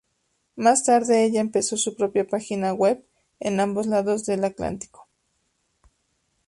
Más tarde, ella empezó su propia página web en ambos lados del Atlántico.